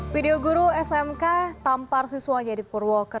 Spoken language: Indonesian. video guru smk tampar siswa jadi purwoker